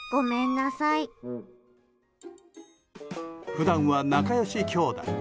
普段は仲良し兄弟。